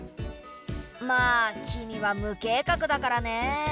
まあキミは無計画だからね。